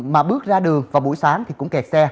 mà bước ra đường vào buổi sáng thì cũng kẹt xe